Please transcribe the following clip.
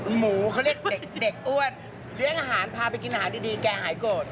หมูเขาเรียกเด็กอ้วนเลี้ยงอาหารพาไปกินอาหารดีแกหายโกรธ